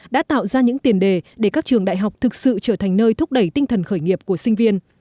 đã tạo ra những tiền đề để các trường đại học thực sự trở thành nơi thúc đẩy tinh thần khởi nghiệp của sinh viên